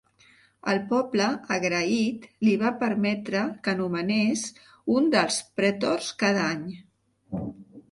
El poble, agraït, li va permetre que nomenés un dels pretors cada any.